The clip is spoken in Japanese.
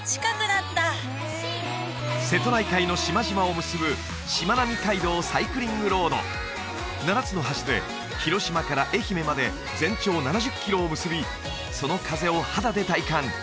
瀬戸内海の島々を結ぶしまなみ海道サイクリングロード７つの橋で広島から愛媛まで全長７０キロを結びその風を肌で体感